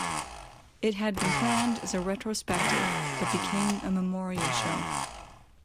It had been planned as a retrospective but became a memorial show.